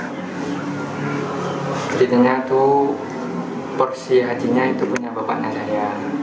kejadiannya itu porsi hatinya itu punya bapaknya saya